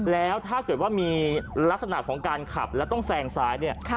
แล้วถ้าเกิดว่ามีลักษณะของการขับแล้วต้องแซงซ้ายเนี่ย